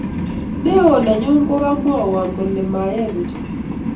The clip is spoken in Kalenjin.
neo nenyu ko komwaiwo kole mayai kuchot